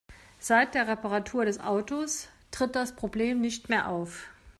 Seit der Reparatur des Autos tritt das Problem nicht mehr auf.